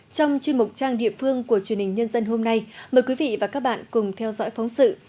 trong chuyên mục trang địa phương của truyền hình nhân dân hôm nay mời quý vị và các bạn cùng theo dõi phóng sự